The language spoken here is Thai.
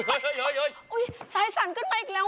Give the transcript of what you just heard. โอ๊ยชัยสั่นขึ้นไปอีกแล้ว